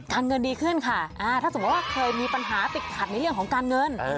เงินดีขึ้นค่ะถ้าสมมุติว่าเคยมีปัญหาติดขัดในเรื่องของการเงิน